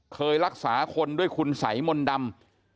เคยรักษาคนด้วยคุณสัยมนต์ดำ